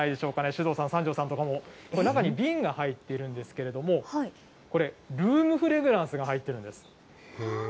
首藤さん、三條さんとかも中に瓶が入っているんですけれども、これ、ルームフレグランスが入っているんです。